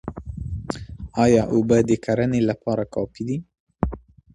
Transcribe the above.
ايا اوبه د کرني لپاره کافي دي؟